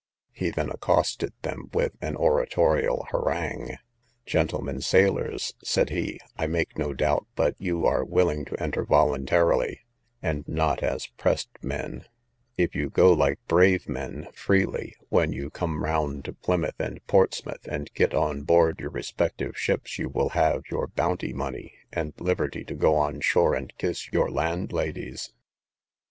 He then accosted them with an oratorial harangue: "Gentlemen sailors," said he, "I make no doubt but you are willing to enter voluntarily, and not as pressed men; if you go like brave men, freely, when you come round to Plymouth and Portsmouth, and get on board your respective ships, you will have your bounty money, and liberty to go on shore and kiss your landladies."